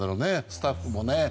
スタッフもね。